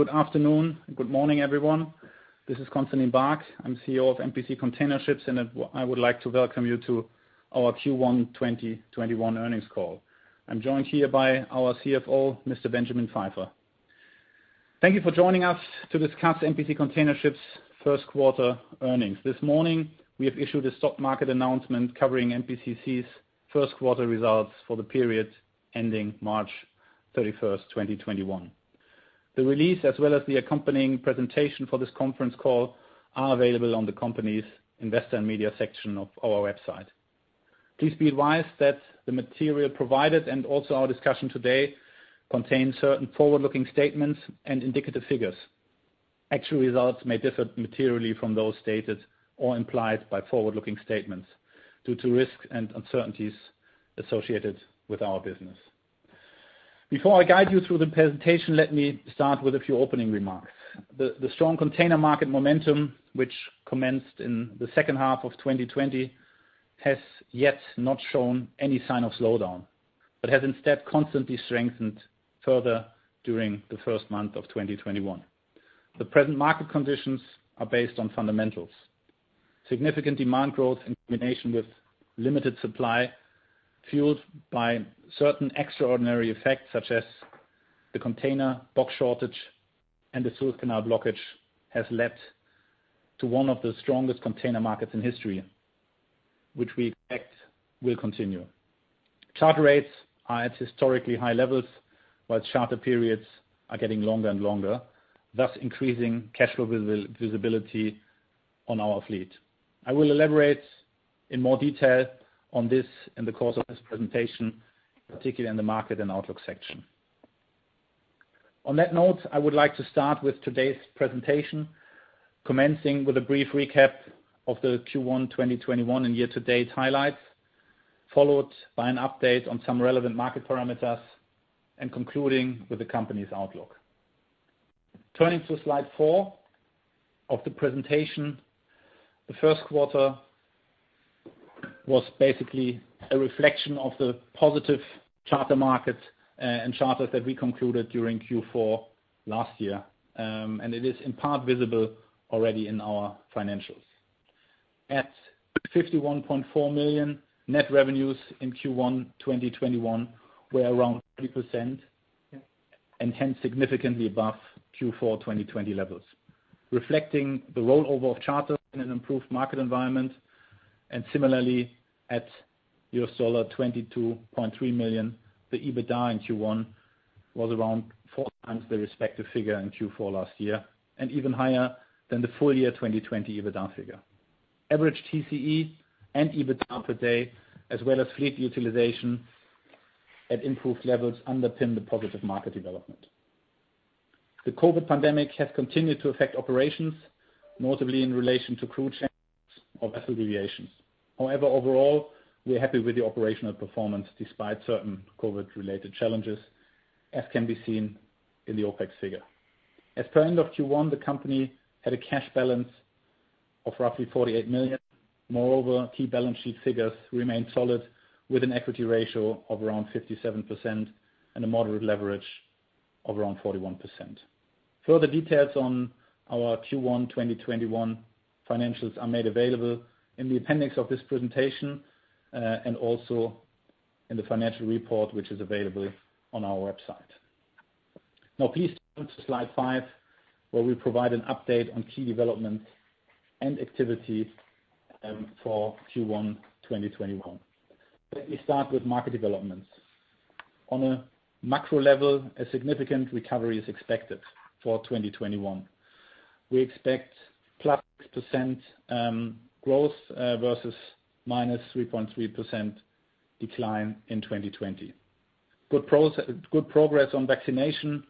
Good afternoon. Good morning, everyone. This is Constantin Baack. I'm CEO of MPC Container Ships, and I would like to welcome you to our Q1 2021 earnings call. I'm joined here by our CFO, Mr. Benjamin Pfeifer. Thank you for joining us to discuss MPC Container Ships' first quarter earnings. This morning, we have issued a stock market announcement covering MPCC's first quarter results for the period ending March 31st, 2021. The release, as well as the accompanying presentation for this conference call, are available on the company's investor media section of our website. Please be advised that the material provided and also our discussion today contain certain forward-looking statements and indicative figures. Actual results may differ materially from those stated or implied by forward-looking statements due to risks and uncertainties associated with our business. Before I guide you through the presentation, let me start with a few opening remarks. The strong container market momentum, which commenced in the second half of 2020, has yet not shown any sign of slowdown, but has instead constantly strengthened further during the first month of 2021. The present market conditions are based on fundamentals. Significant demand growth in combination with limited supply, fueled by certain extraordinary effects such as the container box shortage and the Suez Canal blockage, has led to one of the strongest container markets in history, which we expect will continue. Charter rates are at historically high levels, while charter periods are getting longer and longer, thus increasing cash flow visibility on our fleet. I will elaborate in more detail on this in the course of this presentation, particularly in the market and outlook section. On that note, I would like to start with today's presentation, commencing with a brief recap of the Q1 2021 and year-to-date highlights, followed by an update on some relevant market parameters and concluding with the company's outlook. Turning to slide four of the presentation, the first quarter was basically a reflection of the positive charter markets and charters that we concluded during Q4 last year. It is in part visible already in our financials. At $51.4 million, net revenues in Q1 2021 were around 50% and came significantly above Q4 2020 levels, reflecting the rollover of charters in an improved market environment. Similarly, at $22.3 million, the EBITDA in Q1 was around four times the respective figure in Q4 last year, and even higher than the full year 2020 EBITDA figure. Average TCE and EBITDA per day, as well as fleet utilization at improved levels underpin the positive market development. The COVID pandemic has continued to affect operations, notably in relation to crew changes or vessel deviations. However, overall, we are happy with the operational performance despite certain COVID-related challenges, as can be seen in the OpEx figure. At the end of Q1, the company had a cash balance of roughly $48 million. Moreover, key balance sheet figures remain solid with an equity ratio of around 57% and a moderate leverage of around 41%. Further details on our Q1 2021 financials are made available in the appendix of this presentation and also in the financial report, which is available on our website. Now, please turn to slide five, where we provide an update on key developments and activities for Q1 2021. Let me start with market developments. On a macro level, a significant recovery is expected for 2021. We expect uncertain growth versus -3.3% decline in 2020. Good progress on vaccination,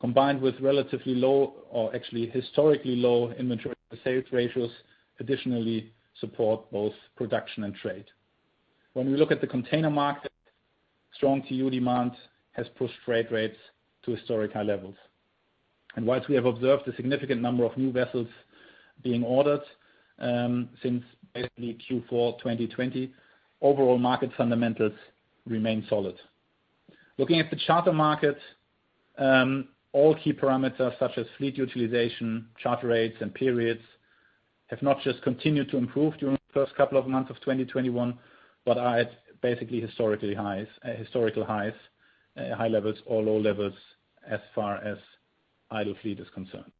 combined with relatively low or actually historically low inventory to sales ratios additionally support both production and trade. When we look at the container market, strong uncertain has pushed freight rates to historic high levels. Whilst we have observed a significant number of new vessels being ordered since basically Q4 2020, overall market fundamentals remain solid. Looking at the charter market, all key parameters such as fleet utilization, charter rates, and periods have not just continued to improve during the first couple of months of 2021, but are at basically historical highs, high levels or low levels as far as idle fleet is concerned.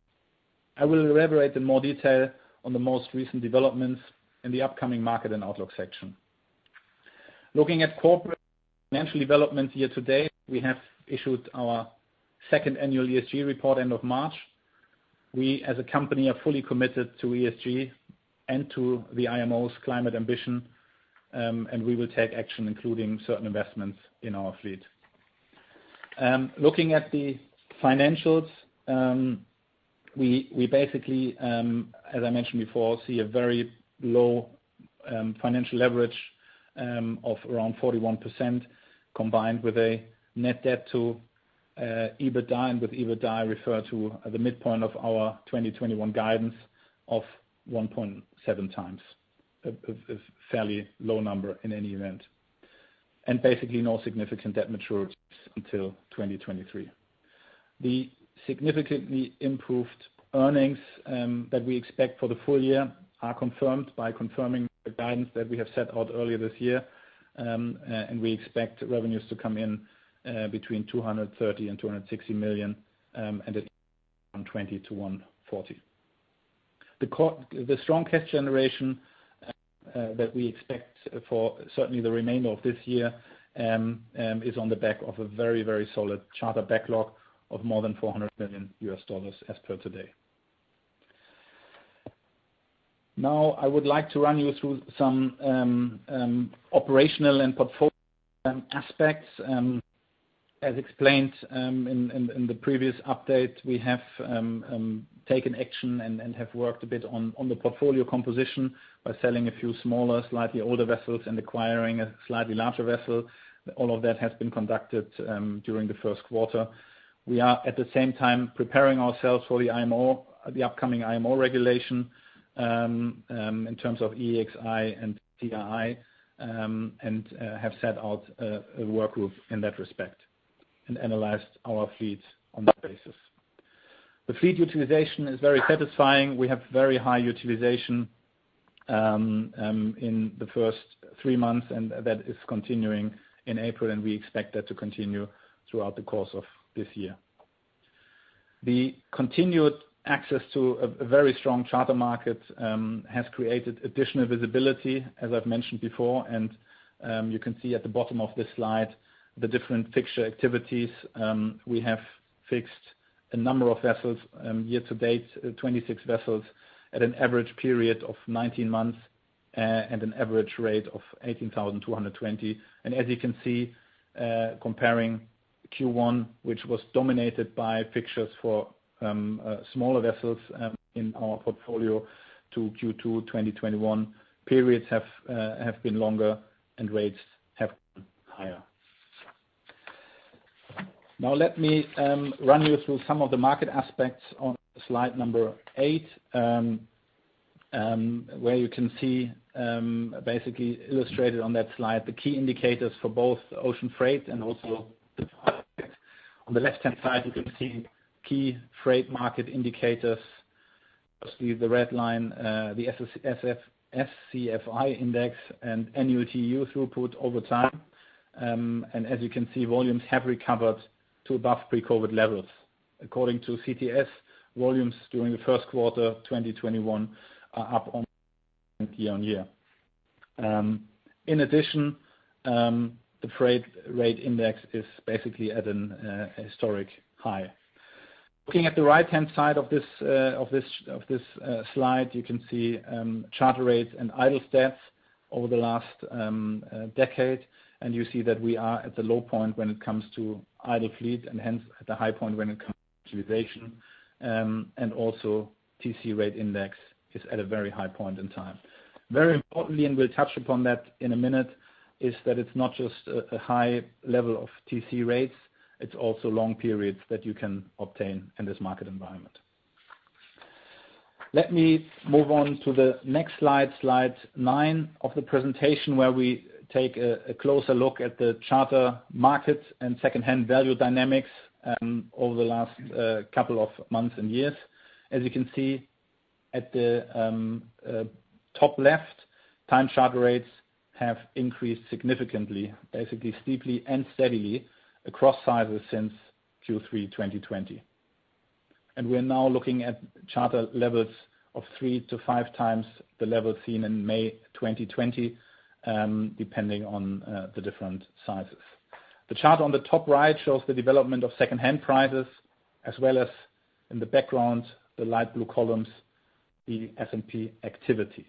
I will elaborate in more detail on the most recent developments in the upcoming market and outlook section. Looking at corporate financial development year-to-date, we have issued our second annual ESG report end of March. We, as a company, are fully committed to ESG and to the IMO's climate ambition, and we will take action, including certain investments in our fleet. Looking at the financials, we basically, as I mentioned before, see a very low financial leverage of around 41%, combined with a net debt to EBITDA, and with EBITDA I refer to the midpoint of our 2021 guidance of 1.7 times. A fairly low number in any event. Basically no significant debt maturities until 2023. The significantly improved earnings that we expect for the full year are confirmed by confirming the guidance that we have set out earlier this year, and we expect revenues to come in between $230 million-$260 million, and EBITDA around $20 million-$140 million. The strong cash generation that we expect for certainly the remainder of this year, is on the back of a very, very solid charter backlog of more than $400 million as per today. I would like to run you through some operational and portfolio aspects. As explained in the previous update, we have taken action and have worked a bit on the portfolio composition by selling a few smaller, slightly older vessels and acquiring a slightly larger vessel. All of that has been conducted during the first quarter. We are at the same time preparing ourselves for the IMO, the upcoming IMO regulation, in terms of EEXI and CII, and have set out a work group in that respect and analyzed our fleet on that basis. The fleet utilization is very satisfying. We have very high utilization in the first three months, and that is continuing in April, and we expect that to continue throughout the course of this year. The continued access to a very strong charter market has created additional visibility, as I've mentioned before, and you can see at the bottom of the slide the different fixture activities. We have fixed a number of vessels, year to date, 26 vessels at an average period of 19 months and an average rate of $18,220. As you can see, comparing Q1, which was dominated by fixtures for smaller vessels in our portfolio to Q2 2021, periods have been longer and rates have been higher. Now, let me run you through some of the market aspects on slide number eight, where you can see, basically illustrated on that slide, the key indicators for both the ocean freight and also the product. On the left-hand side, you can see key freight market indicators. Obviously, the red line, the SCFI index and annual TEUs throughput over time. As you can see, volumes have recovered to above pre-COVID levels. According to CTS, volumes during the first quarter 2021 are up on 2020 year-on-year. In addition, the freight rate index is basically at an historic high. Looking at the right-hand side of this slide, you can see charter rates and idle stats over the last decade. You see that we are at the low point when it comes to idle fleet and hence at the high point when it comes to utilization. Also, TC Rate Index is at a very high point in time. Very importantly, we'll touch upon that in a minute, is that it's not just a high level of TC rates, it's also long periods that you can obtain in this market environment. Let me move on to the next slide nine of the presentation, where we take a closer look at the charter markets and secondhand value dynamics over the last couple of months and years. As you can see at the top left, time charter rates have increased significantly, basically steeply and steadily across sizes since Q3 2020. We are now looking at charter levels of three to five times the level seen in May 2020, depending on the different sizes. The chart on the top right shows the development of secondhand prices as well as in the background, the light blue columns, the S&P activity.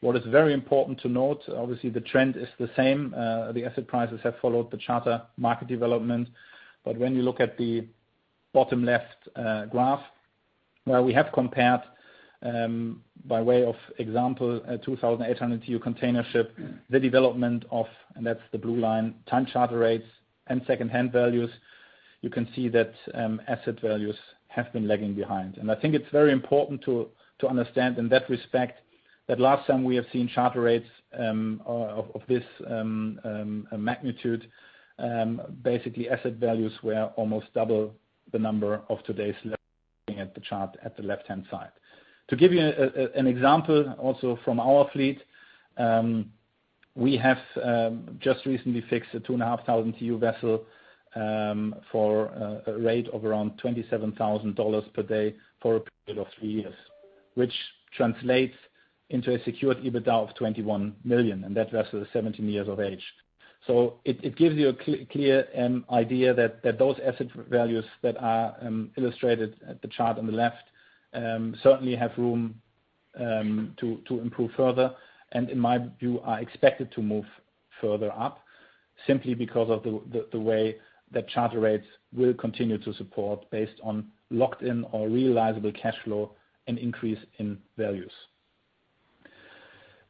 What is very important to note, obviously, the trend is the same. The asset prices have followed the charter market development. When you look at the bottom left graph where we have compared, by way of example, a 2,800 TEU container ship, the development of, and that's the blue line, time charter rates and secondhand values. You can see that asset values have been lagging behind. I think it's very important to understand in that respect, that last time we have seen charter rates of this magnitude, basically asset values were almost double the number of today's levels seen at the chart at the left-hand side. To give you an example also from our fleet, we have just recently fixed a 2,500 TEU vessel for a rate of around $27,000 per day for a period of three years, which translates into a secured EBITDA of $21 million, and that vessel is 17 years of age. It gives you a clear idea that those asset values that are illustrated at the chart on the left certainly have room to improve further. In my view, I expect it to move further up simply because of the way that charter rates will continue to support based on locked-in or realizable cash flow and increase in values.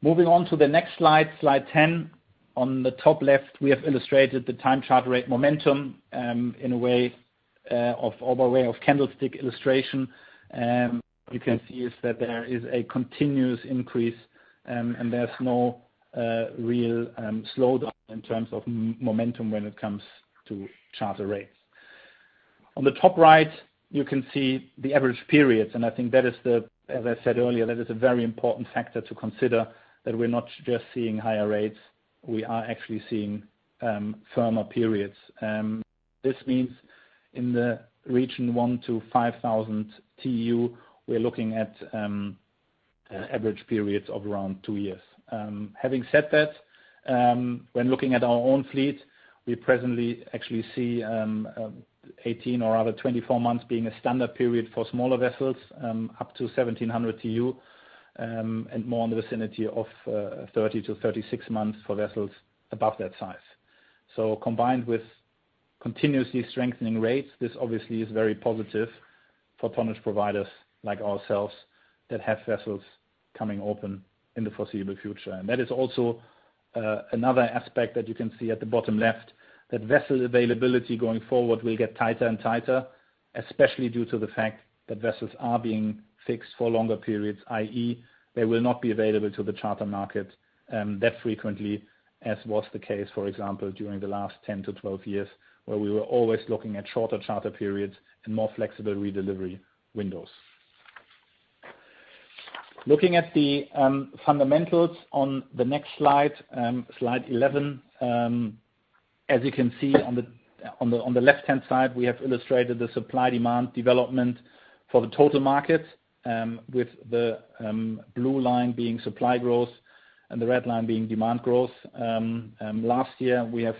Moving on to the next slide 10. On the top left, we have illustrated the time charter rate momentum in a way of candlestick illustration, what you can see is that there is a continuous increase, and there's no real slowdown in terms of momentum when it comes to charter rates. On the top right, you can see the average periods, and I think that is, as I said earlier, that is a very important factor to consider that we're not just seeing higher rates, we are actually seeing firmer periods. This means in the region 1,000 TEU-5,000 TEU, we're looking at average periods of around two years. Having said that, when looking at our own fleet, we presently actually see 18 or rather 24 months being a standard period for smaller vessels, up to 1,700 TEU, and more in the vicinity of 30-36 months for vessels above that size. Combined with continuously strengthening rates, this obviously is very positive for tonnage providers like ourselves that have vessels coming open in the foreseeable future. That is also another aspect that you can see at the bottom left, that vessel availability going forward will get tighter and tighter, especially due to the fact that vessels are being fixed for longer periods, i.e., they will not be available to the charter market that frequently as was the case, for example, during the last 10-12 years, where we were always looking at shorter charter periods and more flexible redelivery windows. Looking at the fundamentals on the next slide 11. As you can see on the left-hand side, we have illustrated the supply-demand development for the total market, with the blue line being supply growth and the red line being demand growth. Last year, we have,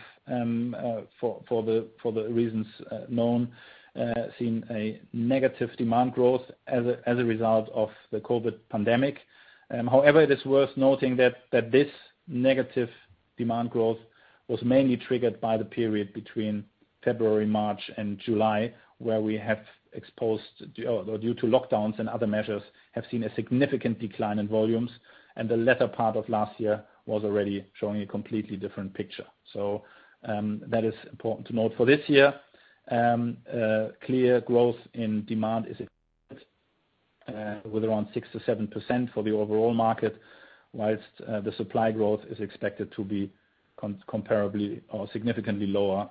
for the reasons known, seen a negative demand growth as a result of the COVID pandemic. However, it is worth noting that this negative demand growth was mainly triggered by the period between February, March, and July, where we have exposed, due to lockdowns and other measures, have seen a significant decline in volumes, and the latter part of last year was already showing a completely different picture. That is important to note for this year. Clear growth in demand is expected with around 6%-7% for the overall market, whilst the supply growth is expected to be comparably or significantly lower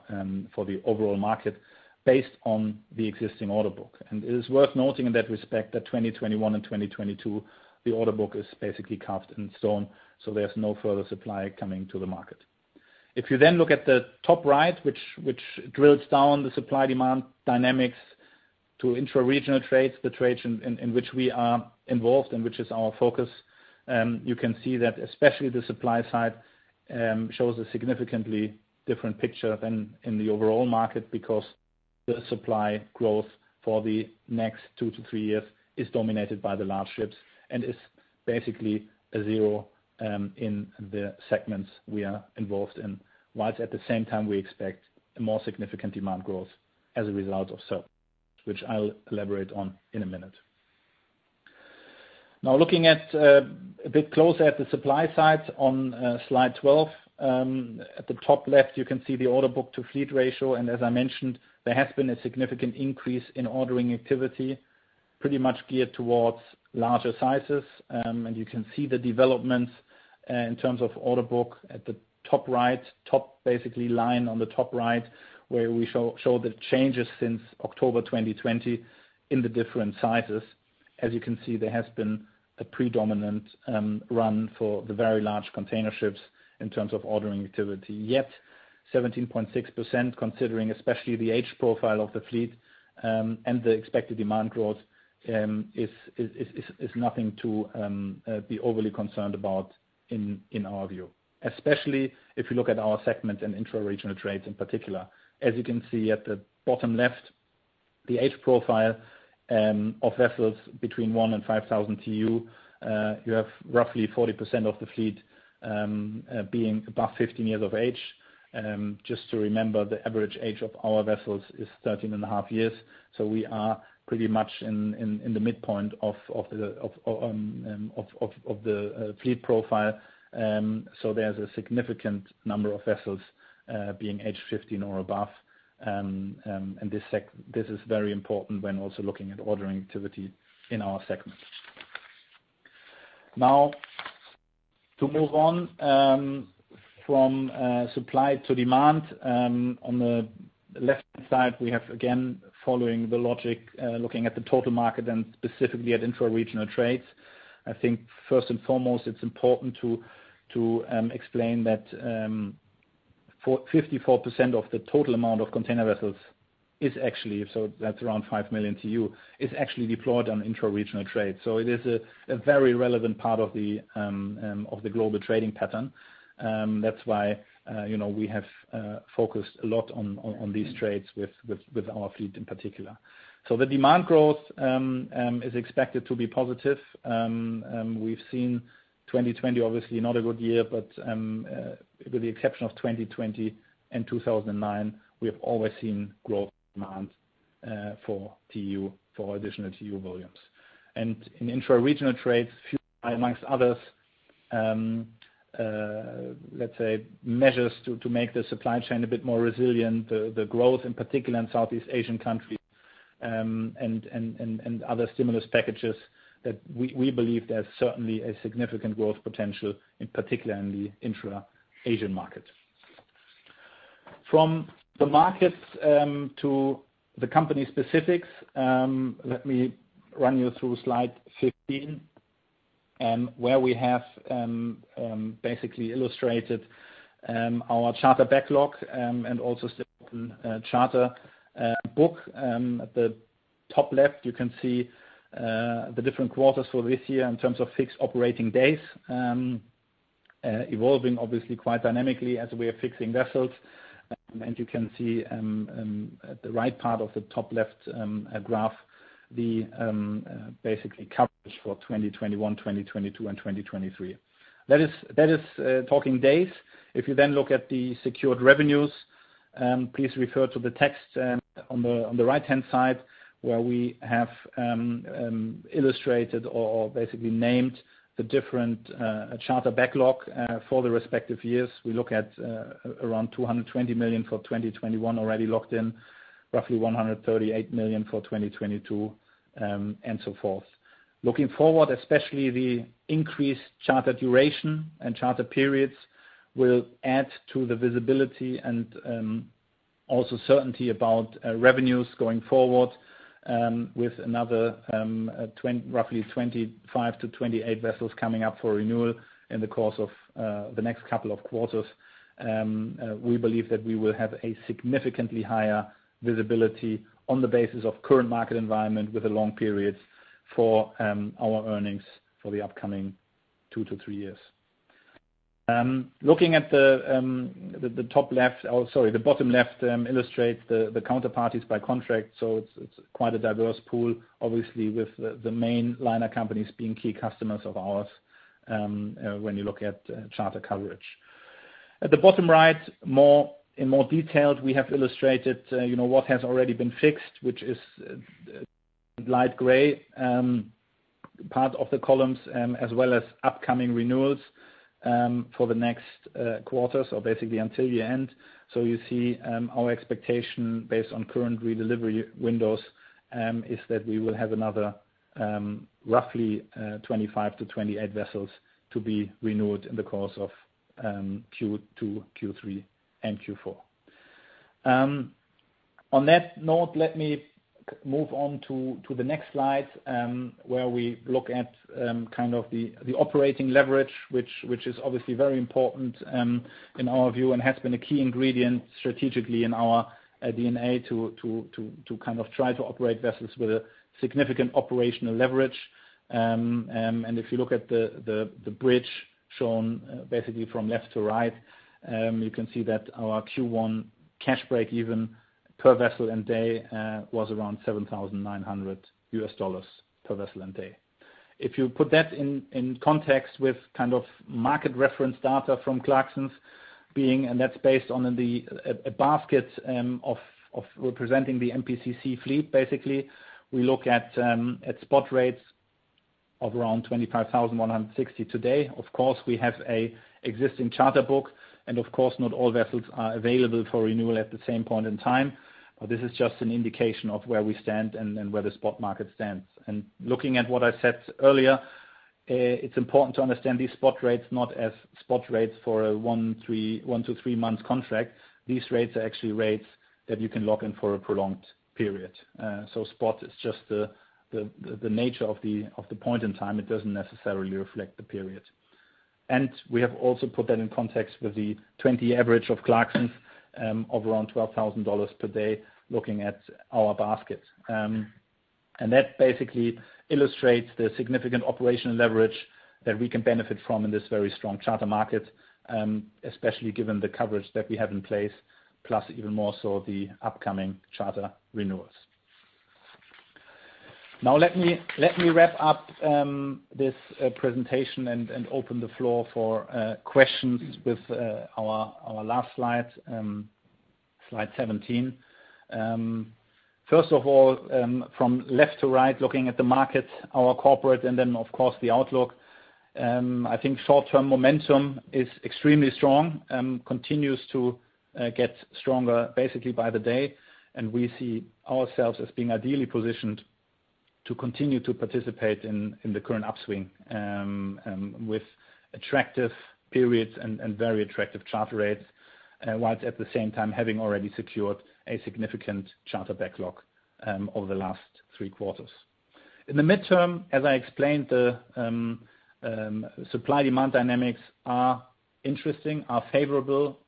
for the overall market based on the existing order book. It is worth noting in that respect that 2021 and 2022, the order book is basically capped and so on, so there's no further supply coming to the market. If you then look at the top right, which drills down the supply-demand dynamics to intra-regional trades, the trades in which we are involved and which is our focus, you can see that especially the supply side shows a significantly different picture than in the overall market because the supply growth for the next two to three years is dominated by the large ships and it's basically zero in the segments we are involved in. Whilst at the same time, we expect more significant demand growth as a result of certain trends, which I'll elaborate on in a minute. Now looking a bit closer at the supply side on slide 12. At the top left, you can see the order book to fleet ratio, and as I mentioned, there has been a significant increase in ordering activity, pretty much geared towards larger sizes. You can see the developments in terms of order book at the top right, top basically line on the top right where we show the changes since October 2020 in the different sizes. As you can see, there has been a predominant run for the very large container ships in terms of ordering activity. Yet 17.6%, considering especially the age profile of the fleet and the expected demand growth, is nothing to be overly concerned about in our view, especially if you look at our segment and intra-regional trades in particular. As you can see at the bottom left, the age profile of vessels between 1,000 and 5,000 TEU, you have roughly 40% of the fleet being above 15 years of age. Just to remember, the average age of our vessels is 13 and a half years. We are pretty much in the midpoint of the fleet profile. There's a significant number of vessels being aged 15 or above, and this is very important when also looking at ordering activity in our segment. To move on from supply to demand. On the left side, we have, again, following the logic, looking at the total market and specifically at intra-regional trades. I think first and foremost, it's important to explain that 54% of the total amount of container vessels is actually, so that's around five million TEU, is actually deployed on intra-regional trade. It is a very relevant part of the global trading pattern. That's why we have focused a lot on these trades with our fleet in particular. The demand growth is expected to be positive. We've seen 2020 obviously not a good year, but with the exception of 2020 and 2009, we have always seen growth in demand for additional TEU volumes. In intra-regional trades, amongst others, let's say, measures to make the supply chain a bit more resilient, the growth in particular in Southeast Asian countries and other stimulus packages, that we believe there's certainly a significant growth potential in particular in the intra-Asian market. From the markets to the company specifics, let me run you through slide 15, where we have basically illustrated our charter backlog and also certain charter book. At the top left, you can see the different quarters for this year in terms of fixed operating days evolving obviously quite dynamically as we are fixing vessels. You can see at the right part of the top left graph, the basically coverage for 2021, 2022, and 2023. That is talking days. If you then look at the secured revenues, please refer to the text on the right-hand side where we have illustrated or basically named the different charter backlog for the respective years. We look at around $220 million for 2021 already locked in, roughly $138 million for 2022, and so forth. Looking forward, especially the increased charter duration and charter periods will add to the visibility and also certainty about revenues going forward with another roughly 25-28 vessels coming up for renewal in the course of the next couple of quarters. We believe that we will have a significantly higher visibility on the basis of current market environment with the long periods for our earnings for the upcoming two to three years. Oh, sorry, the bottom left illustrates the counterparties by contract. It's quite a diverse pool, obviously, with the main liner companies being key customers of ours when you look at charter coverage. At the bottom right, in more detail, we have illustrated what has already been fixed, which is shown in light gray part of the columns, as well as upcoming renewals for the next quarters or basically until year-end. You see our expectation based on current re-delivery windows, is that we will have another roughly 25-28 vessels to be renewed in the course of Q2, Q3, and Q4. On that note, let me move on to the next slide, where we look at the operating leverage, which is obviously very important in our view, and has been a key ingredient strategically in our DNA to try to operate vessels with a significant operational leverage. If you look at the bridge shown basically from left to right, you can see that our Q1 cash break-even per vessel and day was around $7,900 per vessel and day. If you put that in context with market reference data from Clarksons, and that's based on the basket of representing the MPCC fleet, basically, we look at spot rates of around $25,160 today. Of course, we have a existing charter book, and of course, not all vessels are available for renewal at the same point in time. This is just an indication of where we stand and where the spot market stands. Looking at what I said earlier, it's important to understand these spot rates not as spot rates for a one to three-month contract. These rates are actually rates that you can lock in for a prolonged period. Spot is just the nature of the point in time. It doesn't necessarily reflect the period. We have also put that in context with the 20 average of Clarksons of around $12,000 per day looking at our basket. That basically illustrates the significant operational leverage that we can benefit from in this very strong charter market, especially given the coverage that we have in place, plus even more so the upcoming charter renewals. Let me wrap up this presentation and open the floor for questions with our last slide 17. First of all, from left to right, looking at the market, our corporate, and then, of course, the outlook. I think short-term momentum is extremely strong and continues to get stronger basically by the day, and we see ourselves as being ideally positioned to continue to participate in the current upswing with attractive periods and very attractive charter rates, whilst at the same time having already secured a significant charter backlog over the last three quarters. In the midterm, as I explained, the supply/demand dynamics are interesting, are favorable,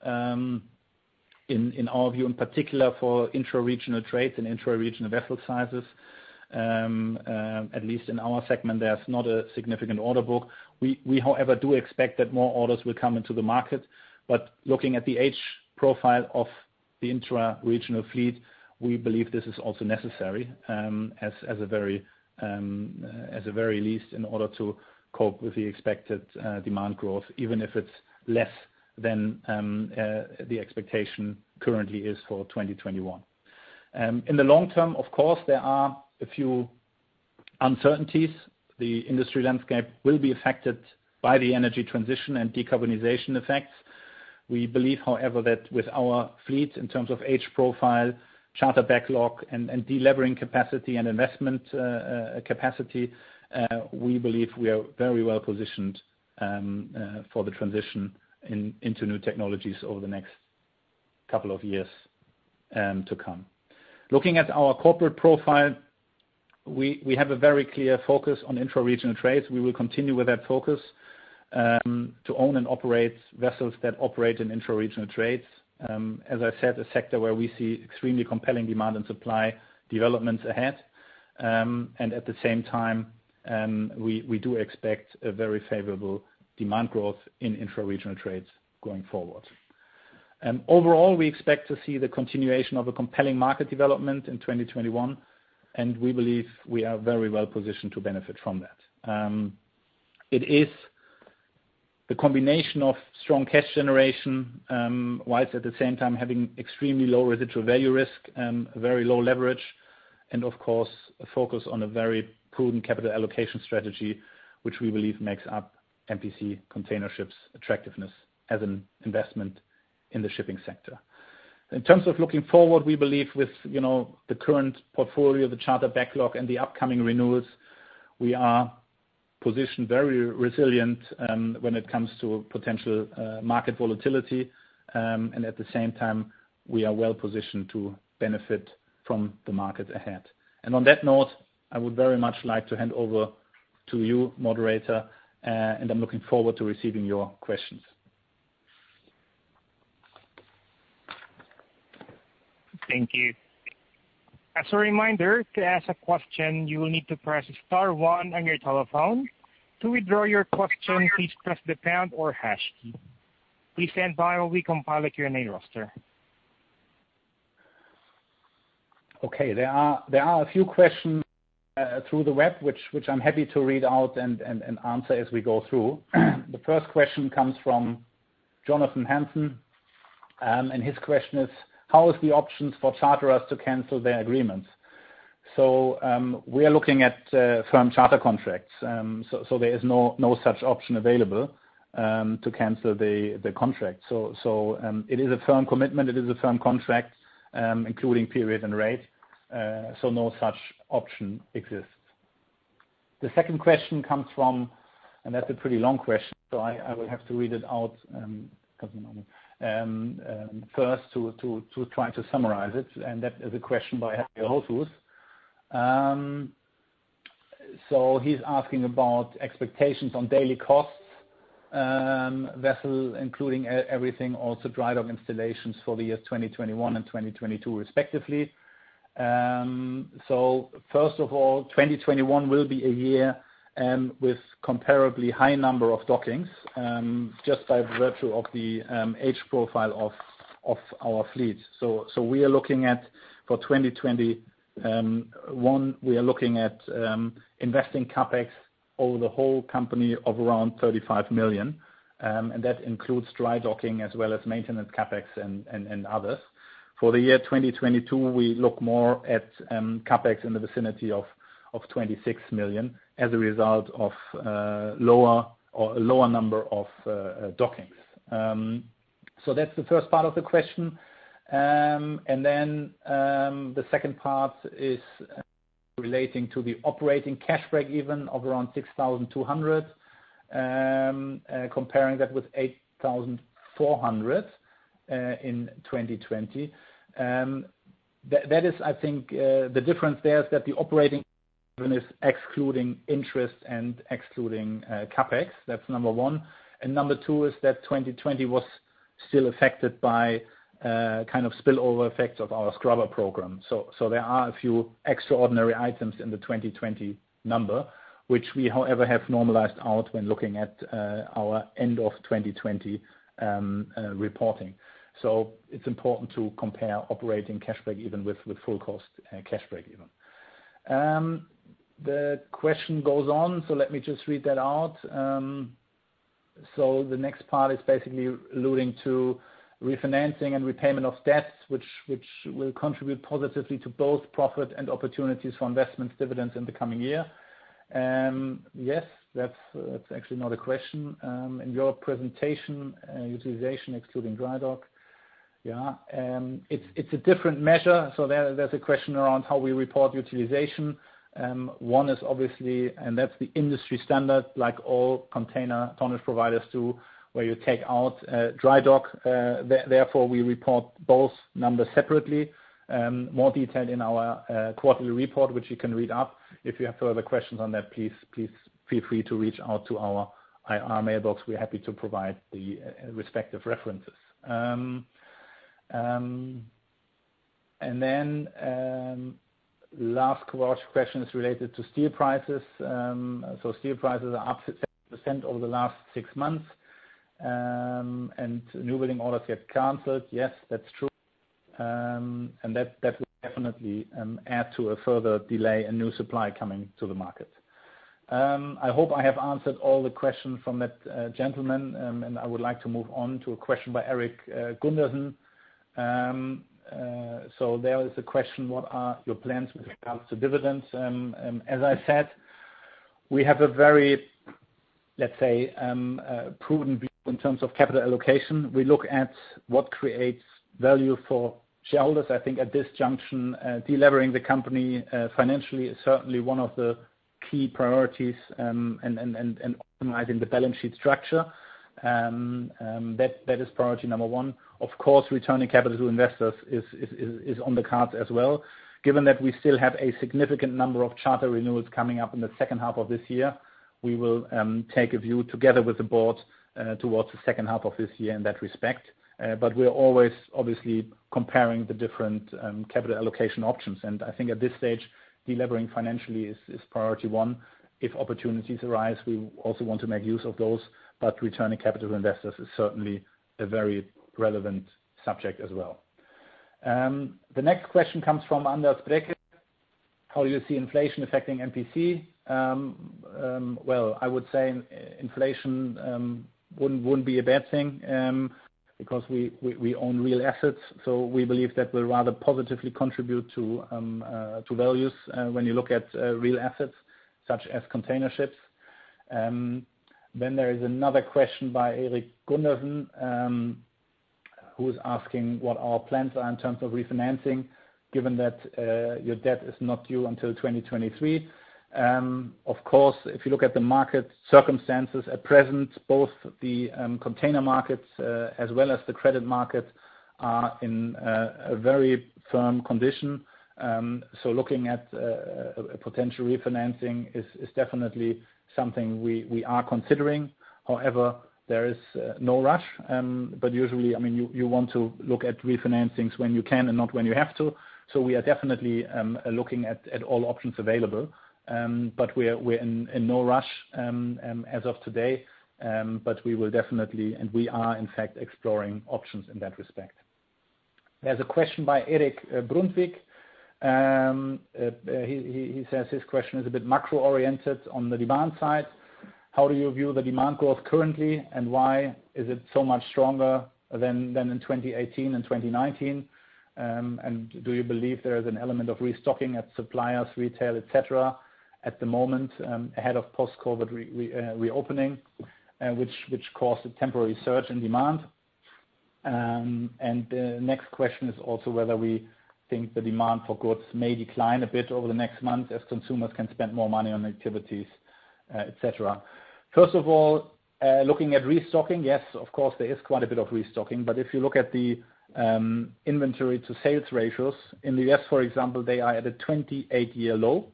in our view, in particular for intra-regional trades and intra-regional vessel sizes. At least in our segment, there's not a significant order book. We, however, do expect that more orders will come into the market. Looking at the age profile of the intra-regional fleet, we believe this is also necessary as a very least in order to cope with the expected demand growth, even if it's less than the expectation currently is for 2021. In the long term, of course, there are a few uncertainties. The industry landscape will be affected by the energy transition and decarbonization effects. We believe, however, that with our fleet in terms of age profile, charter backlog, and delivering capacity and investment capacity, we believe we are very well-positioned for the transition into new technologies over the next couple of years to come. Looking at our corporate profile, we have a very clear focus on intra-region trades. We will continue with that focus to own and operate vessels that operate in intra-regional trades. As I said, a sector where we see extremely compelling demand and supply developments ahead. At the same time, we do expect a very favorable demand growth in intra-regional trades going forward. Overall, we expect to see the continuation of a compelling market development in 2021, and we believe we are very well positioned to benefit from that. It is the combination of strong cash generation, whilst at the same time having extremely low residual value risk and very low leverage, and of course, a focus on a very prudent capital allocation strategy, which we believe makes up MPC Container Ships attractiveness as an investment in the shipping sector. In terms of looking forward, we believe with the current portfolio, the charter backlog, and the upcoming renewals, we are positioned very resilient when it comes to potential market volatility. At the same time, we are well positioned to benefit from the market ahead. On that note, I would very much like to hand over to you, moderator, and I'm looking forward to receiving your questions. Thank you. As a reminder, to ask a question, you will need to press star one on your telephone. To withdraw your question, please press the pound or hash key. Please stand by while we compile the Q&A roster. There are a few questions through the web which I'm happy to read out and answer as we go through. The first question comes from Jonathan Hansen, his question is: how is the options for charterers to cancel their agreements. We are looking at firm charter contracts. There is no such option available to cancel the contract. It is a firm commitment, it is a firm contract, including period and rate. No such option exists. The second question comes from that's a pretty long question, I will have to read it out first to try to summarize it. That is a question by Harry Oltruce. He's asking about expectations on daily costs, vessels including everything, also dry dock installations for the year 2021 and 2022 respectively. First of all, 2021 will be a year with comparably high number of dockings, just by virtue of the age profile of our fleet. We are looking at, for 2021, we are looking at investing CapEx over the whole company of around $35 million. That includes dry docking as well as maintenance CapEx and others. For the year 2022, we look more at CapEx in the vicinity of $26 million as a result of a lower number of dockings. That's the first part of the question. The second part is relating to the operating cash break even of around $6,200, comparing that with $8,400 in 2020. The difference there is that the operating is excluding interest and excluding CapEx, that's number one. Number two is that 2020 was still affected by kind of spillover effects of our scrubber program. There are a few extraordinary items in the 2020 number, which we, however, have normalized out when looking at our end of 2020 reporting. It's important to compare operating cash break even with full cost cash break even. The question goes on, let me just read that out. The next part is basically alluding to refinancing and repayment of debts, which will contribute positively to both profit and opportunities for investments, dividends in the coming year. Yes, that's actually not a question. In your presentation, utilization excluding dry dock. Yeah, it's a different measure. There's a question around how we report utilization. One is obviously, and that's the industry standard, like all container tonnage providers do, where you take out dry dock, therefore, we report both numbers separately. More detail in our quarterly report, which you can read up. If you have further questions on that, please feel free to reach out to our IR mailbox. We're happy to provide the respective references. Then last barrage of questions related to steel prices. Steel prices are up 7% over the last six months, and new building orders get canceled. Yes, that's true. That will definitely add to a further delay in new supply coming to the market. I hope I have answered all the questions from that gentleman, and I would like to move on to a question by Eric Gundersen. There is a question, what are your plans with regards to dividends? As I said, we have a very, let's say, proven view in terms of capital allocation. We look at what creates value for shareholders. I think at this juncture, delevering the company financially is certainly one of the key priorities, and optimizing the balance sheet structure. That is priority number one. Of course, returning capital to investors is on the cards as well. Given that we still have a significant number of charter renewals coming up in the second half of this year, we will take a view together with the board towards the second half of this year in that respect. We're always obviously comparing the different capital allocation options, and I think at this stage, delevering financially is priority one. If opportunities arise, we also want to make use of those, but returning capital to investors is certainly a very relevant subject as well. The next question comes from uncertain. How do you see inflation affecting MPC? I would say inflation wouldn't be a bad thing because we own real assets, so we believe that will rather positively contribute to values when you look at real assets such as container ships. There is another question by Eric Gundersen, who's asking what our plans are in terms of refinancing given that your debt is not due until 2023. Of course, if you look at the market circumstances at present, both the container markets as well as the credit markets are in a very firm condition. Looking at potential refinancing is definitely something we are considering. However, there is no rush. Usually, you want to look at refinancings when you can and not when you have to. We are definitely looking at all options available, but we're in no rush as of today. We will definitely, and we are in fact exploring options in that respect. There's a question by Erik Brunvik. He says his question is a bit macro-oriented on the demand side. How do you view the demand growth currently, and why is it so much stronger than in 2018 and 2019? Do you believe there is an element of restocking at suppliers, retail, et cetera, at the moment ahead of post-COVID reopening, which caused a temporary surge in demand? The next question is also whether we think the demand for goods may decline a bit over the next month as consumers can spend more money on activities, et cetera. First of all, looking at restocking, yes, of course, there is quite a bit of restocking. If you look at the inventory-to-sales ratios, in the U.S., for example, they are at a 28-year low.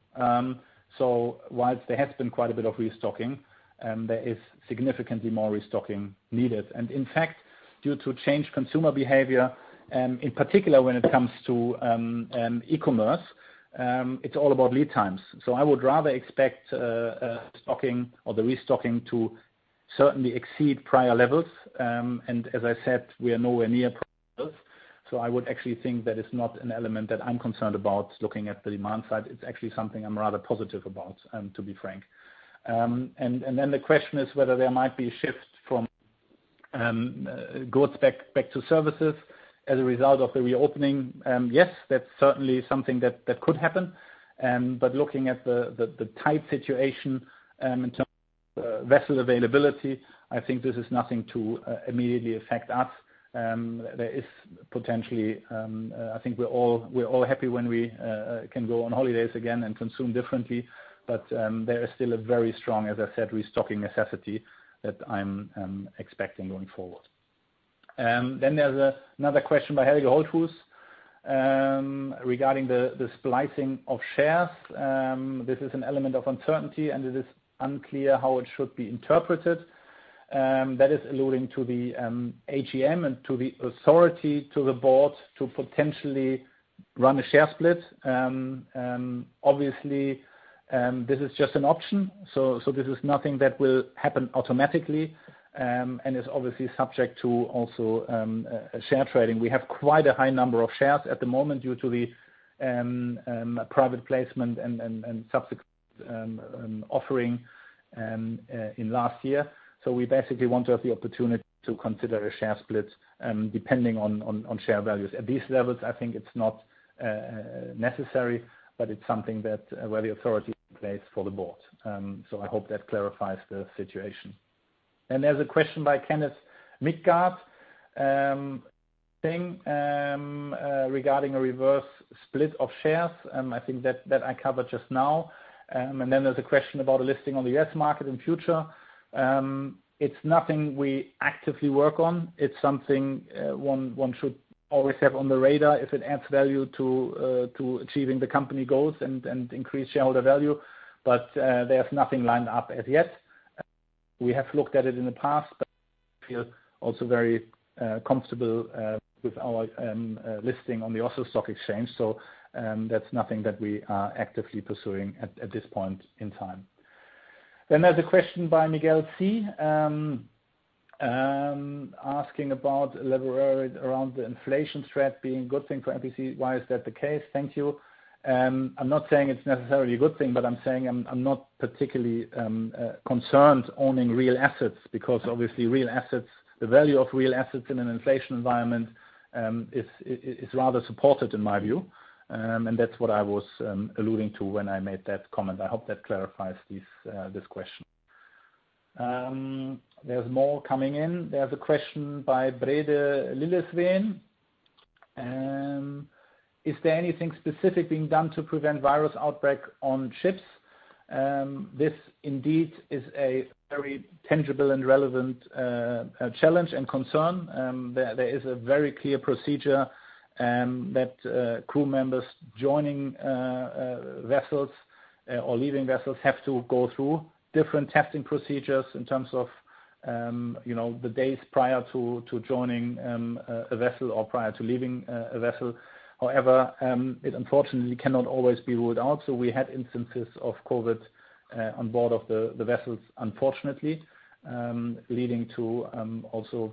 Whilst there has been quite a bit of restocking, there is significantly more restocking needed. In fact, due to changed consumer behavior, in particular when it comes to e-commerce, it's all about lead times. I would rather expect restocking or the restocking to certainly exceed prior levels. As I said, we are nowhere near prior levels. I would actually think that it's not an element that I'm concerned about looking at the demand side. It's actually something I'm rather positive about, to be frank. Then the question is whether there might be a shift from goods back to services as a result of the reopening. Yes, that's certainly something that could happen. Looking at the tight situation in terms of vessel availability, I think this is nothing to immediately affect us. There is potentially, I think we're all happy when we can go on holidays again and consume differently. There is still a very strong, as I said, restocking necessity that I'm expecting going forward. There's another question by Helge Olshus regarding the splicing of shares. This is an element of uncertainty, and it is unclear how it should be interpreted. That is alluding to the AGM and to the authority to the board to potentially run a share split. Obviously, this is just an option. This is nothing that will happen automatically, and it's obviously subject to also share trading. We have quite a high number of shares at the moment due to the private placement and subsequent offering in last year. We basically want to have the opportunity to consider a share split depending on share values. At these levels, I think it's not necessary, but it's something where the authority is in place for the board. I hope that clarifies the situation. There's a question by Kenneth McGrath regarding a reverse split of shares. I think that I covered just now. There's a question about a listing on the U.S. market in future. It's nothing we actively work on. It's something one should always have on the radar if it adds value to achieving the company goals and increasing shareholder value. There's nothing lined up as yet. We have looked at it in the past, but we feel also very comfortable with our listing on the Oslo Stock Exchange. That's nothing that we are actively pursuing at this point in time. Another question by Miguel Fei, asking about a level around the inflation threat being a good thing for MPC. Why is that the case? Thank you. I'm not saying it's necessarily a good thing, but I'm saying I'm not particularly concerned owning real assets because obviously the value of real assets in an inflation environment is rather supported in my view. That's what I was alluding to when I made that comment. I hope that clarifies this question. There's more coming in. There's a question by Eirik Lilesveen. Is there anything specific being done to prevent virus outbreak on ships? This indeed is a very tangible and relevant challenge and concern. There is a very clear procedure that crew members joining vessels or leaving vessels have to go through different testing procedures in terms of the days prior to joining a vessel or prior to leaving a vessel. However, it unfortunately cannot always be ruled out. We had instances of COVID on board of the vessels, unfortunately, leading to also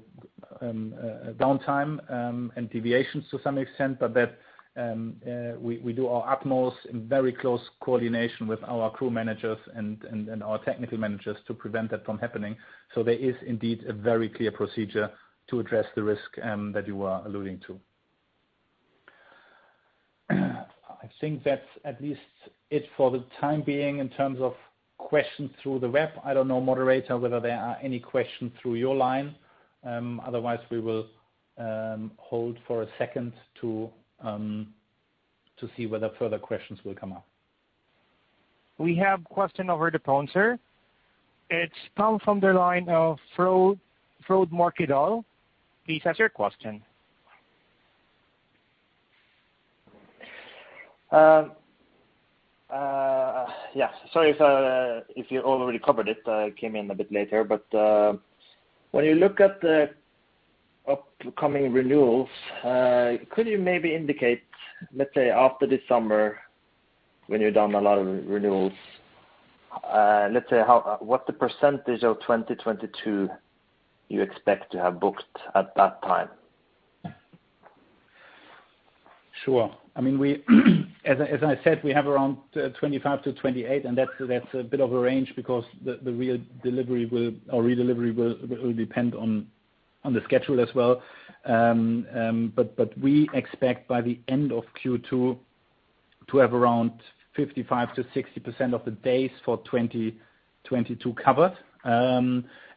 downtime and deviations to some extent, that we do our utmost in very close coordination with our crew managers and our technical managers to prevent that from happening. There is indeed a very clear procedure to address the risk that you are alluding to. I think that's at least it for the time being in terms of questions through the web. I don't know, moderator, whether there are any questions through your line. Otherwise, we will hold for a second to see whether further questions will come up. We have a question over the phone, sir. It's come from the line of Frode Mørkedal. Please ask your question. Yeah. Sorry if you already covered it, I came in a bit later, but when you look at the upcoming renewals, could you maybe indicate, let's say after this summer when you've done a lot of renewals, let's say what percentage of 2022 you expect to have booked at that time? Sure. As I said, we have around 25-28, and that's a bit of a range because our redelivery will depend on the schedule as well. We expect by the end of Q2 to have around 55%-60% of the days for 2022 covered.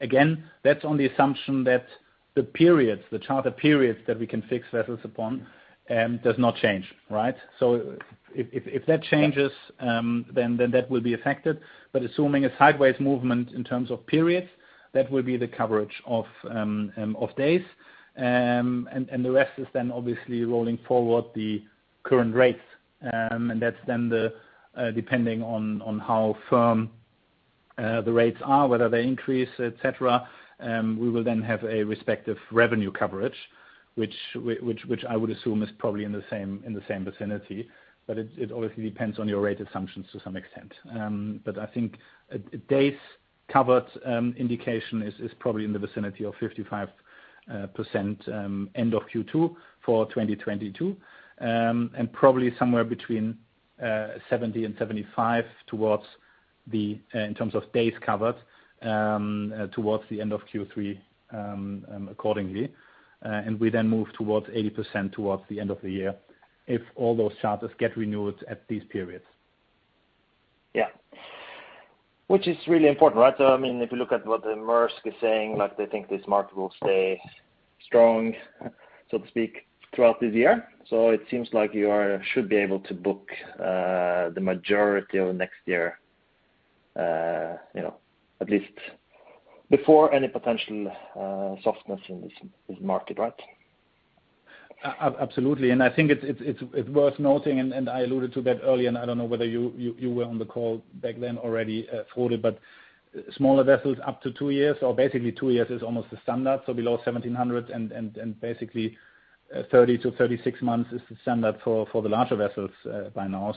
Again, that's on the assumption that the charter periods that we can fix vessels upon does not change, right? If that changes, then that will be affected. Assuming a sideways movement in terms of periods, that will be the coverage of days. The rest is then obviously rolling forward the current rates. That's then depending on how firm the rates are, whether they increase, et cetera. We will then have a respective revenue coverage, which I would assume is probably in the same vicinity, but it obviously depends on your rate assumptions to some extent. I think the days covered indication is probably in the vicinity of 55% end of Q2 for 2022, and probably somewhere between 70% and 75% in terms of days covered towards the end of Q3 accordingly. We then move towards 80% towards the end of the year if all those charters get renewed at these periods. Yeah. Which is really important, right? If you look at what Maersk is saying, they think this market will stay strong, so to speak, throughout this year. It seems like you should be able to book the majority of next year at least before any potential softening in this market, right? Absolutely. I think it's worth noting, I alluded to that earlier, I don't know whether you were on the call back then already, Frode, smaller vessels up to two years or basically two years is almost the standard. Below 1,700 and basically 30-36 months is the standard for the larger vessels by now.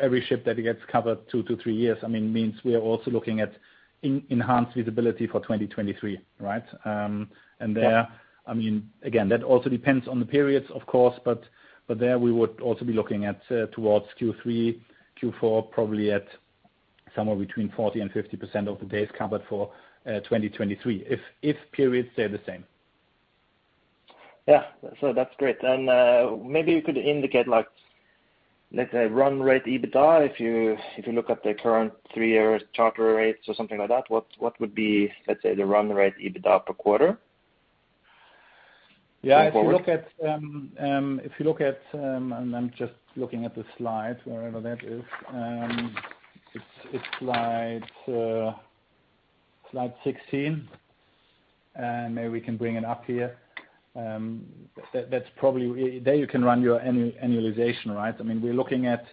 Every ship that gets covered two to three years, means we are also looking at enhanced visibility for 2023, right? There, again, that also depends on the periods, of course, there we would also be looking at towards Q3, Q4, probably at somewhere between 40%-50% of the days covered for 2023 if periods stay the same. Yeah. That's great. Maybe you could indicate, let's say run rate EBITDA, if you look at the current three years charter rates or something like that, what would be, let's say, the run rate EBITDA per quarter going forward? Yeah, if you look at. I'm just looking at the slides, wherever that is. It's slide 16. Maybe we can bring it up here. There you can run your annualization, right? We're looking at.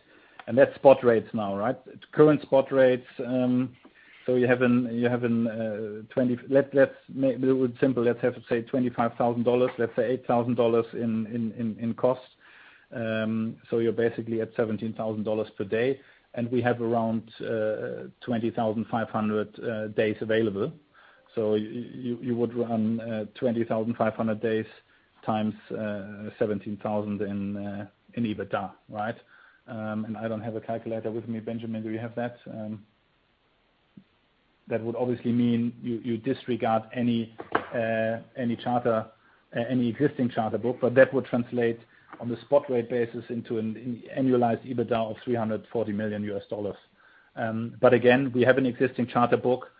That's spot rates now, right? Current spot rates. You're having. Let's make it simple. Let's have to say $25,000. Let's say $8,000 in cost. You're basically at $17,000 per day. We have around 20,500 days available. You would run 20,500 days times 17,000 in EBITDA, right? I don't have a calculator with me. Benjamin, do you have that? That would obviously mean you disregard any existing charter book. That would translate on the spot rate basis into an annualized EBITDA of $340 million. Again, we have an existing charter book.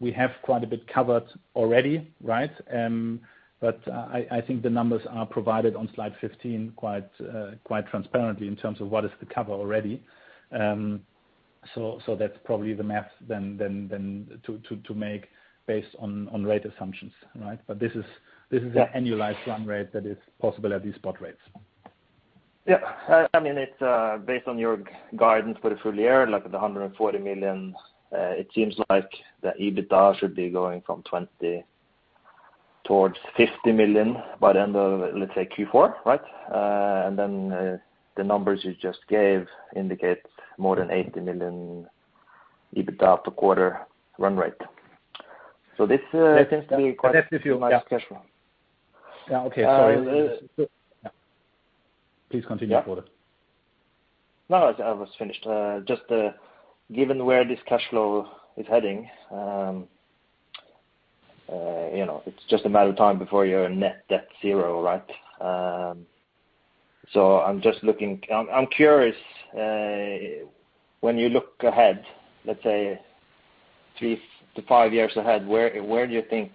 We have quite a bit covered already, right? I think the numbers are provided on slide 15 quite transparently in terms of what is the cover already. That's probably the math then to make based on rate assumptions, right? This is the annualized run rate that is possible at these spot rates. Yeah. It's based on your guidance for the full year, like the $140 million, it seems like the EBITDA should be going from $20 million towards $50 million by the end of, let's say Q4, right? The numbers you just gave indicate more than $80 million EBITDA per quarter run rate. This seems to be quite. Let me cash flow. Yeah, okay. Sorry. Please continue, Frode Mørkedal. No, I was finished. Just given where this cash flow is heading, it's just a matter of time before you're net debt zero, right? I'm curious, when you look ahead, let's say three to five years ahead, where do you think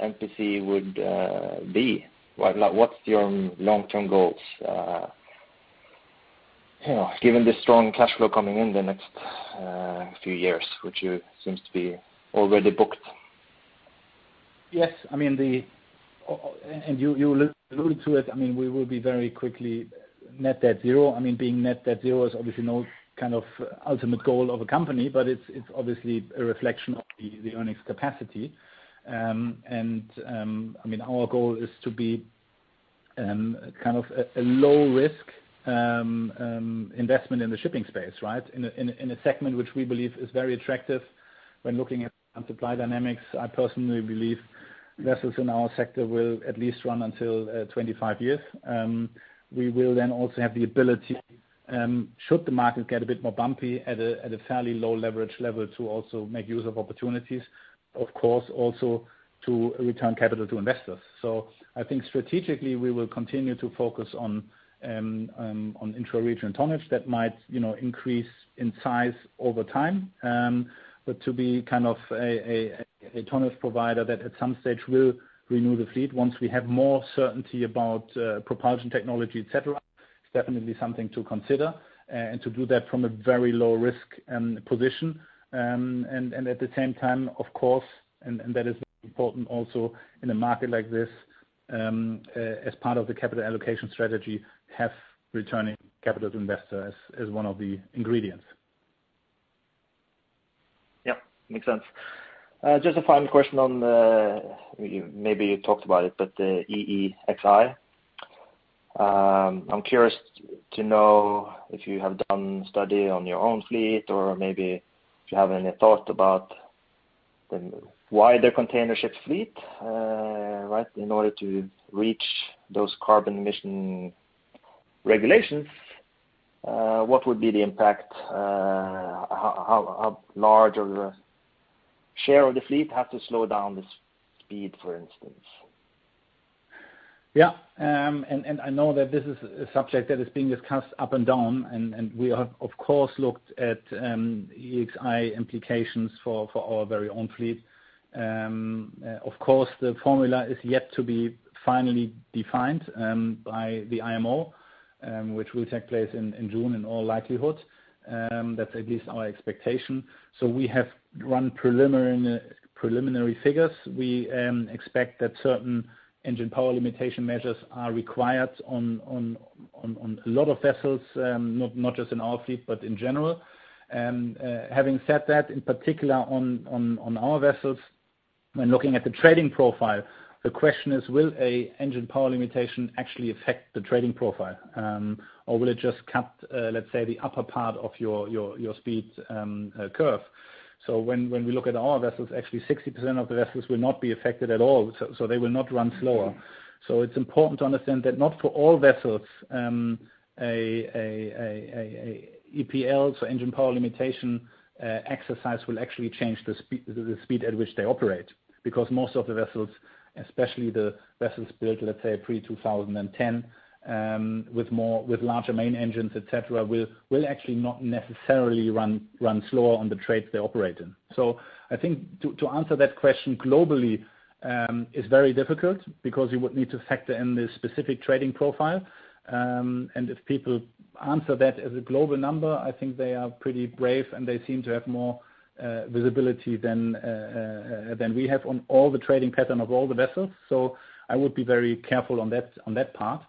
MPC would be? What's your long-term goals? Given the strong cash flow coming in the next few years, which seems to be already booked. Yes, you allude to it, we will be very quickly net debt zero. Being net debt zero is obviously no kind of ultimate goal of a company, but it's obviously a reflection of the earnings capacity. Our goal is to be kind of a low-risk investment in the shipping space, right, in a segment which we believe is very attractive when looking at supply dynamics. I personally believe vessels in our sector will at least run until 25 years. We will also have the ability, should the market get a bit more bumpy at a fairly low-leverage level, to also make use of opportunities, of course, also to return capital to investors. I think strategically, we will continue to focus on intra-region tonnage that might increase in size over time. To be kind of a tonnage provider that at some stage will renew the fleet once we have more certainty about propulsion technology, etcetera, it's definitely something to consider. To do that from a very low risk position. At the same time, of course, and that is important also in a market like this, as part of the capital allocation strategy, have returning capital to investors as one of the ingredients. Yeah, makes sense. Just a final question on the, maybe you talked about it, but the EEXI. I'm curious to know if you have done study on your own fleet or maybe if you have any thoughts about the wider container ship fleet, right, in order to reach those carbon emission regulations. What would be the impact? How large of a share of the fleet have to slow down the speed, for instance? Yeah. I know that this is a subject that is being discussed up and down, and we have, of course, looked at EEXI implications for our very own fleet. Of course, the formula is yet to be finally defined by the IMO, which will take place in June in all likelihood. That's at least our expectation. We have run preliminary figures. We expect that certain engine power limitation measures are required on a lot of vessels, not just in our fleet, but in general. Having said that, in particular on our vessels, when looking at the trading profile, the question is, will a engine power limitation actually affect the trading profile? Will it just cap, let's say, the upper part of your speed curve? When we look at our vessels, actually 60% of the vessels will not be affected at all, so they will not run slower. It's important to understand that not for all vessels, a EPL, so engine power limitation exercise will actually change the speed at which they operate. Because most of the vessels, especially the vessels built, let's say pre 2010, with larger main engines, et cetera, will actually not necessarily run slower on the trades they operate in. I think to answer that question globally, is very difficult because you would need to factor in the specific trading profile. If people answer that as a global number, I think they are pretty brave, and they seem to have more visibility than we have on all the trading pattern of all the vessels. I would be very careful on that path.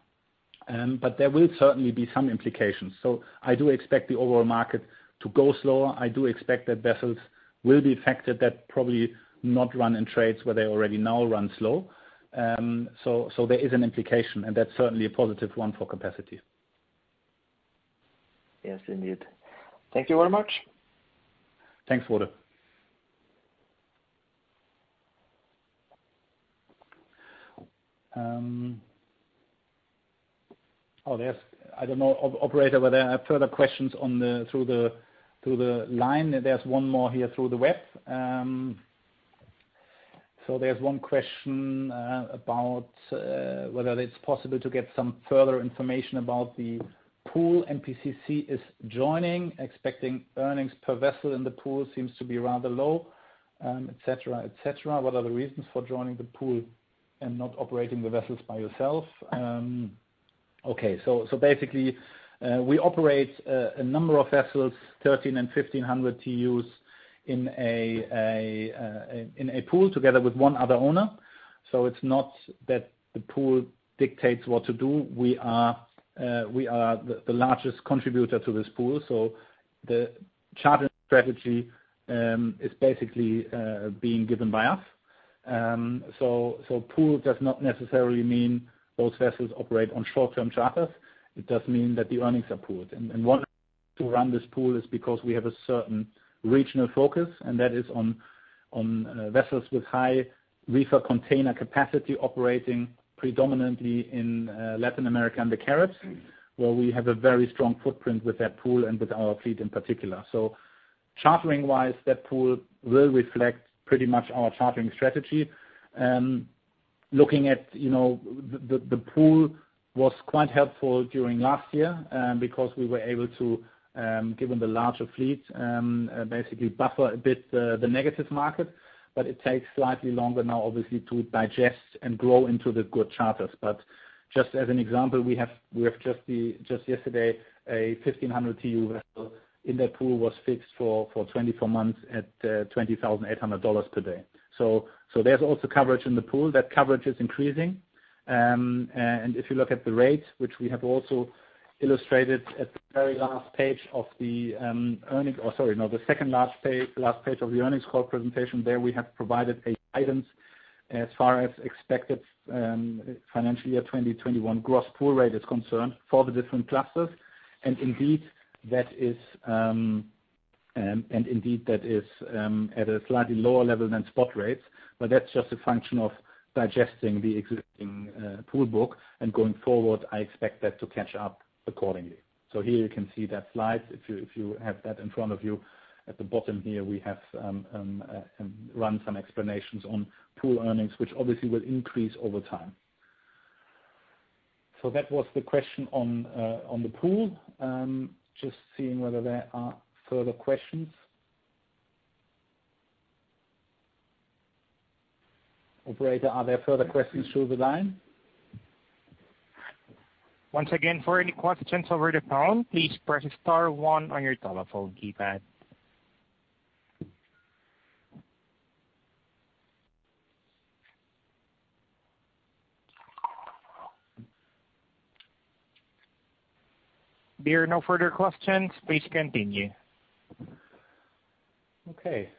There will certainly be some implications. I do expect the overall market to go slower. I do expect that vessels will be affected that probably not run in trades where they already now run slow. There is an implication, and that's certainly a positive one for capacity. Yes, indeed. Thank you very much. Thanks, Frode. I don't know, operator, whether there are further questions through the line. There's one more here through the web. There's one question about whether it's possible to get some further information about the pool MPCC is joining, expecting earnings per vessel in the pool seems to be rather low, et cetera. What are the reasons for joining the pool and not operating the vessels by yourself? Okay. Basically, we operate a number of vessels, 1,300 and 1,500 TEUs in a pool together with one other owner. It's not that the pool dictates what to do. We are the largest contributor to this pool, so the charter strategy is basically being given by us. Pool does not necessarily mean both vessels operate on short-term charters. It does mean that the earnings are pooled. One reason to run this pool is because we have a certain regional focus, and that is on vessels with high reefer container capacity, operating predominantly in Latin America and the Caribbean, where we have a very strong footprint with that pool and with our fleet in particular. Chartering-wise, that pool will reflect pretty much our chartering strategy. Looking at the pool was quite helpful during last year, because we were able to, given the larger fleet, basically buffer a bit the negative market, but it takes slightly longer now, obviously, to digest and grow into the good charters. Just as an example, we have just yesterday, a 1,500 TEU vessel in that pool was fixed for 24 months at $20,800 today. There's also coverage in the pool. That coverage is increasing. If you look at the rates, which we have also illustrated at the second last page of the earnings call presentation, there we have provided a guidance as far as expected financial year 2021 gross pool rate is concerned for the different classes. Indeed, that is at a slightly lower level than spot rates, but that's just a function of digesting the existing pool book. Going forward, I expect that to catch up accordingly. Here you can see that slide, if you have that in front of you. At the bottom here, we have run some explanations on pool earnings, which obviously will increase over time. That was the question on the pool. Just seeing whether there are further questions. Operator, are there further questions through the line? Once again, for any questions over the phone, please press star one on your telephone keypad. There are no further questions. Please continue. Okay.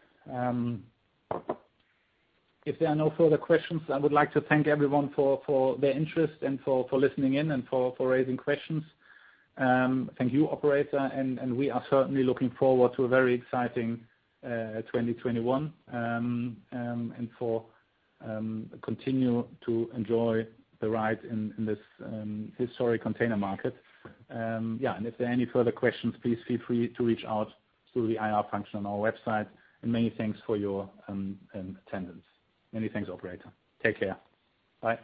If there are no further questions, I would like to thank everyone for their interest, and for listening in, and for raising questions. Thank you, operator. We are certainly looking forward to a very exciting 2021, and continue to enjoy the ride in this historic container market. If there are any further questions, please feel free to reach out through the IR function on our website. Many thanks for your attendance. Many thanks, operator. Take care. Bye.